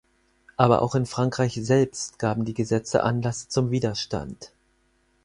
Aber auch in Frankreich selbst gaben die Gesetze Anlass zum Widerstand.